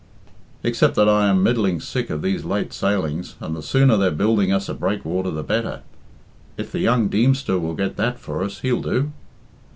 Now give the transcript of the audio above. "Except that I am middling sick of these late sailings, and the sooner they're building us a breakwater the better. If the young Deemster will get that for us, he'll do."